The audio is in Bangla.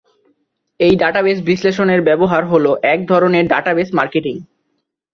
এই ডাটাবেস বিশ্লেষণের ব্যবহার হল এক ধরনের ডাটাবেস মার্কেটিং।